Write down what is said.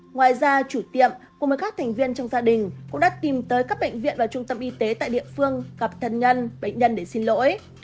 ngoài ra chủ tiệm cùng với các thành viên trong gia đình cũng đã tìm tới các bệnh viện và trung tâm y tế tại địa phương gặp thân nhân bệnh nhân để xin lỗi